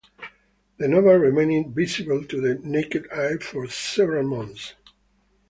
The nova remained visible to the naked eye for several months.